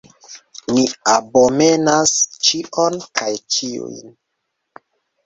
Mi abomenas ĉion kaj ĉiujn!